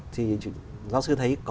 thì giáo sư thấy